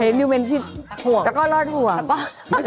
มีนิวเมนท์ที่ห่วงสำคัญก็รอดห่วงแล้วก็